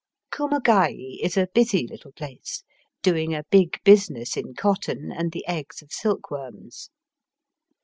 Kumagai is a busy little place, doing a big business in cotton and the eggs of silkworms.